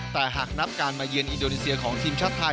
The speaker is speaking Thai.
แต่หากนับการมาเยือนอินโดนีเซียของทีมชาติไทย